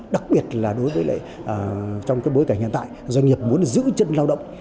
đặc biệt là đối với lại trong cái bối cảnh hiện tại doanh nghiệp muốn giữ chân lao động